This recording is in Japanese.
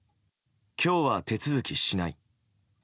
今日は手続きしない。